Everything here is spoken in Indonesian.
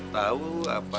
tahu apa itu